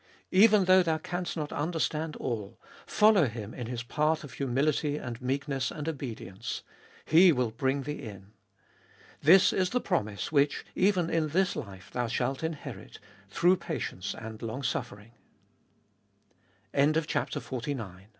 Even though thou canst not understand all, follow Him in His path of humility and meekness and obedience : He will bring thee in. This is the promise which, even in this life, thou shalt inherit, through patience and longs